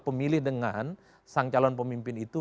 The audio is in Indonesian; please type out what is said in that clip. pemilih dengan sang calon pemimpin itu